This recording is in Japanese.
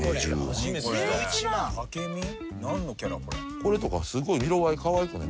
これとかすごい色合いかわいくない？